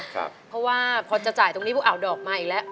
เพราะว่าพอจะจ่ายตรงนี้ปุ๊บเอาดอกมาอีกแล้ว